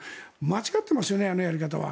間違ってますよねあのやり方は。